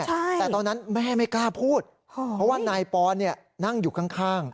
แต่ตอนนั้นแม่ไม่กล้าพูดเพราะว่านายปอนเนี่ยนั่งอยู่ข้าง